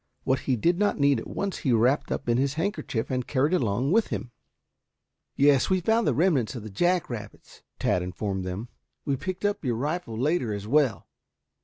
What he did not need at once he wrapped up in his handkerchief and carried along with him " "Yes, we found the remnants of the jack rabbits," Tad informed them. "We picked up your rifle later, as well."